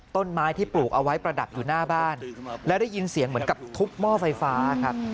ต้นไม้ที่ปลูกเอาไว้ประดับอยู่หน้าบ้านและได้ยินเสียงเหมือนกับทุบหม้อไฟฟ้าครับ